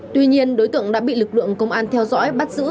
tuy nhiên đối tượng đã bị lực lượng công an theo dõi bắt giữ